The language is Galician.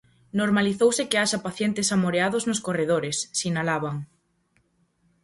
Normalizouse que haxa pacientes amoreados nos corredores, sinalaban.